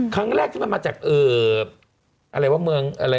ครั้งแรกที่มันมาจากอะไรวะเมืองอะไร